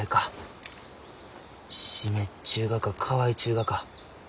湿っちゅうがか乾いちゅうがか。